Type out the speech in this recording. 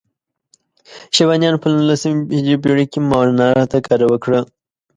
شیبانیانو په لسمې هجري پېړۍ کې ماورالنهر ته کډه وکړه.